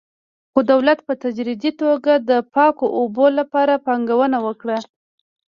خو دولت په تدریجي توګه د پاکو اوبو لپاره پانګونه وکړه.